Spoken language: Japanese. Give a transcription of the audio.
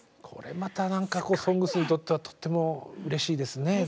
これまた何か「ＳＯＮＧＳ」にとってはとてもうれしいですね